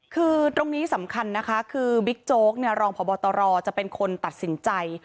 คือตรงนี้สำคัญนะคะคือบิ๊กโจ๊กรองพบตรจะเป็นคนตัดสินใจ